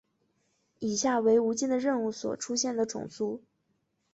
以下为无尽的任务所出现的种族。